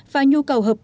và nhu cầu hợp tác